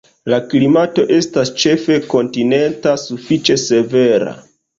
La klimato estas ĉefe kontinenta, sufiĉe severa.